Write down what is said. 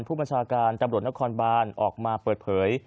ผู้บัญชาการตำรวจนครบานออกมาเปิดเผย